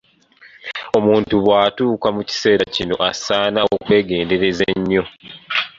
Omuntu bw'atuuka mu kiseera kino asaana okwegendereza ennyo.